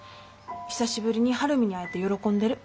久しぶりに晴海に会えて喜んでる。